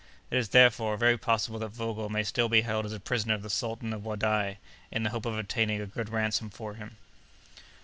It is, therefore, very possible that Vogel may still be held as a prisoner by the Sultan of Wadai, in the hope of obtaining a good ransom for him.